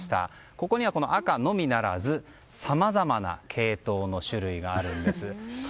ここには赤のみならずさまざまなケイトウの種類があるんです。